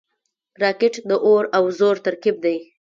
راکټ د اور او زور ترکیب دی